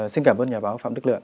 xin cảm ơn nhà báo phạm đức lượn